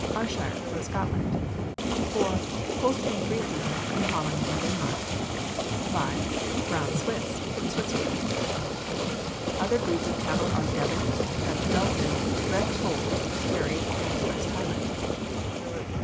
Ayrshire, from Scotland. 4. Holstein Frisian, from Holland and Denmark. 5. Brown Swiss, from Switzerland. Other breeds of cattle are Devon, Dutch Belted, Red Polled, Kerry, and West Highland.